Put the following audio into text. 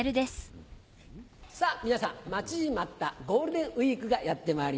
さぁ皆さん待ちに待ったゴールデンウイークがやってまいります。